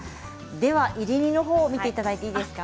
炒り煮のほう見ていただいていいですか。